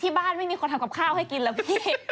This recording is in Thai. บ้านไม่มีคนทำกับข้าวให้กินแล้วพี่